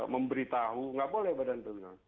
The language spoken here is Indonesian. memberitahu nggak boleh badan pemenang